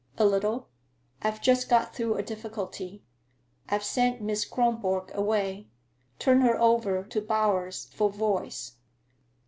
"A little. I've just got through a difficulty. I've sent Miss Kronborg away; turned her over to Bowers, for voice."